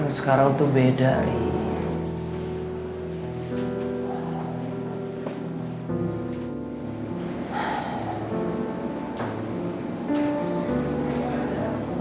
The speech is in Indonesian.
yang sekarang tuh beda ya